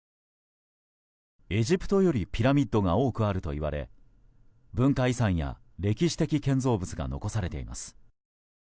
エジプトよりピラミッドが多くあるといわれ文化遺産や歴史的建造物が残されています。